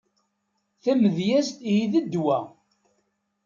Tamedyezt ihi d ddwa.